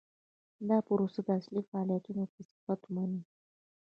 دا پروسه د اصلي فعالیتونو په صفت ومني.